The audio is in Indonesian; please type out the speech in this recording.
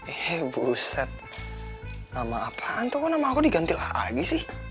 eh buset nama apaan tuh kok nama aku diganti lagi sih